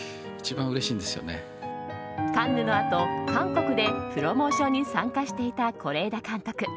カンヌのあと、韓国でプロモーションに参加していた是枝監督。